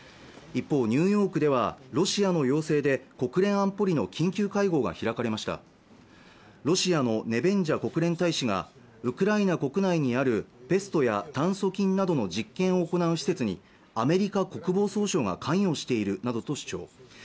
一方ニューヨークではロシアの要請で国連安保理の緊急会合が開かれましたロシアのネベンジャ国連大使がウクライナ国内にあるペストや炭疽菌などの実験を行う施設にアメリカ国防総省が関与しているなどと主張